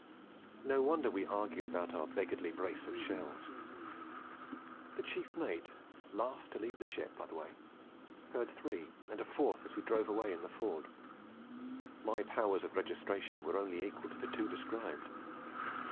No wonder we argued about our beggarly brace of shells. The chief mate (last to leave the ship, by the way) heard three, and a fourth as we drove away in the Ford. My powers of registration were only equal to the two described.